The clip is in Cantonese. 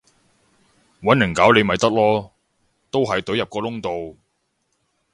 搵人搞你咪得囉，都係隊入個窿度